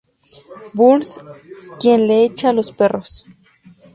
Burns, quien le echa a los perros.